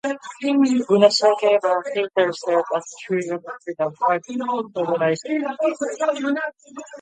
Gunasekera later served as Sri Lanka Freedom Party chief organizer in Bibile.